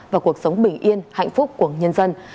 và cuộc sống bình yên hạnh phúc của nhân dân